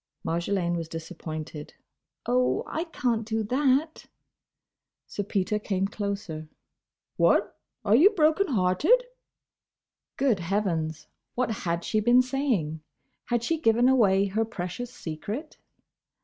Marjolaine was disappointed. "Oh!—I can't do that!" Sir Peter came closer. "What? Are you broken hearted?" Good heavens! What had she been saying? Had she given away her precious secret?